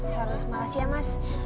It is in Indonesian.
sar malas ya mas